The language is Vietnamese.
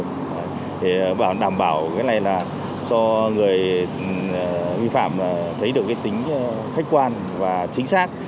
thì bảo đảm bảo cái này là do người vi phạm thấy được cái tính khách quan và chính xác